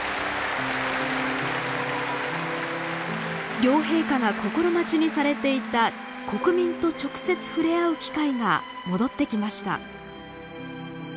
両陛下が心待ちにされていた国民と直接ふれあう機会が戻ってきました。